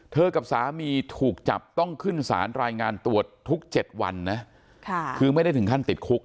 กับสามีถูกจับต้องขึ้นสารรายงานตรวจทุก๗วันนะคือไม่ได้ถึงขั้นติดคุก